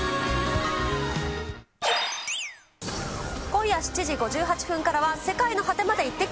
今夜７時５８分からは、世界の果てまでイッテＱ！